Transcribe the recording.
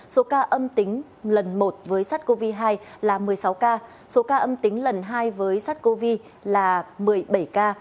số ca âm tính lần một với sars cov hai là một mươi sáu ca số ca âm tính lần hai với sars cov hai là một mươi bảy ca